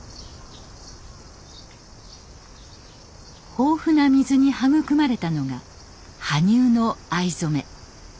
豊富な水に育まれたのが羽生の藍染め。